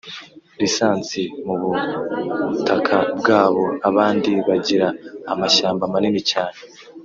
lisansi mu butaka bwabo; abandi bagira amashyamba manini cyane,